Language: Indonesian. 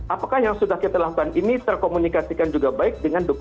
apakah yang sudah kita lakukan ini terkomunikasikan juga baik